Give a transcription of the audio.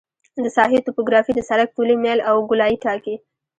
د ساحې توپوګرافي د سرک طولي میل او ګولایي ټاکي